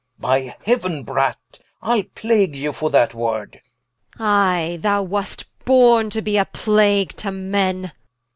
By Heauen, Brat, Ile plague ye for that word Qu. I, thou wast borne to be a plague to men Rich.